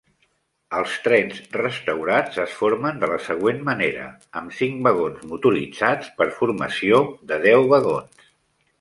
Els trens restaurats es formen de la següent manera, amb cinc vagons motoritzats per formació de deu vagons.